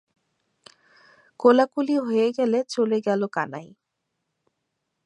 কোলাকুলি হয়ে গেলে চলে গেল কানাই।